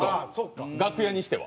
楽屋にしては。